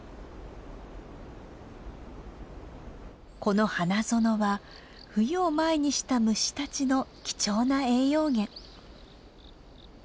この花園は冬を前にした虫たちの貴重な栄養源。